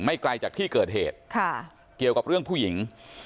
ไกลจากที่เกิดเหตุค่ะเกี่ยวกับเรื่องผู้หญิง